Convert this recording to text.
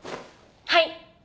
はい。